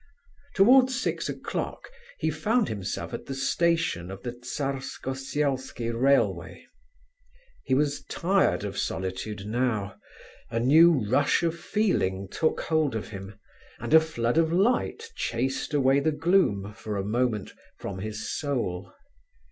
Towards six o'clock he found himself at the station of the Tsarsko Selski railway. He was tired of solitude now; a new rush of feeling took hold of him, and a flood of light chased away the gloom, for a moment, from his soul.